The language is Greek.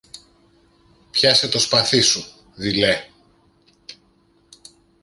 Πιάσε το σπαθί σου, δειλέ!